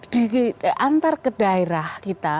di antar kedaerah kita